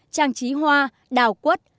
trang trí hoa đào quất